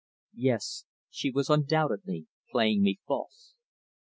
Yes, she was undoubtedly playing me false.